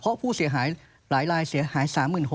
เพราะผู้เสียหายหลายลายเสียหาย๓๖๐๐